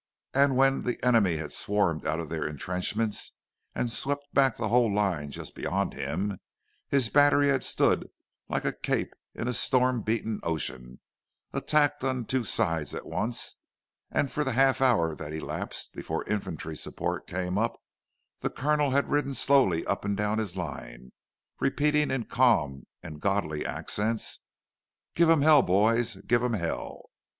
—and when the enemy had swarmed out of their intrenchments and swept back the whole line just beyond him, his battery had stood like a cape in a storm beaten ocean, attacked on two sides at once; and for the half hour that elapsed before infantry support came up, the Colonel had ridden slowly up and down his line, repeating in calm and godly accents, "Give 'em hell, boys—give 'em hell!"